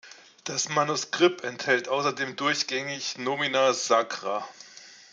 Das Manuskript enthält außerdem durchgängig "Nomina sacra".